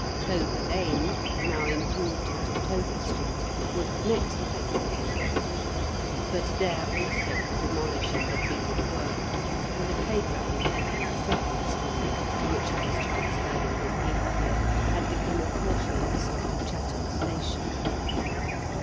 Clover Lane, now improved into Clover Street, was the next place visited ; but there also the demolisher had been at work, and the play ground of Dickens's second school, to which he was transferred in his eighth year, had become a portion of the site of Chatham station.